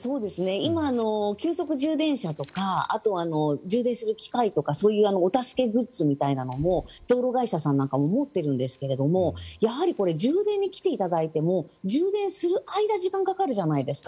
今、急速充電車とかあとは充電する機械とかそういうお助けグッズみたいなものも道路会社さんなんかも持っているんですが充電に来ていただいても充電する間時間がかかるじゃないですか。